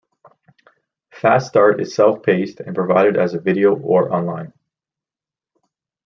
Fast Start is self-paced and provided as a video or online.